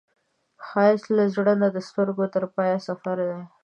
ښایست له زړه نه د سترګو تر پایه سفر دی